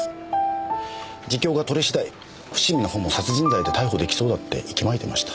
自供が取れ次第伏見の方も殺人罪で逮捕出来そうだって息巻いてました。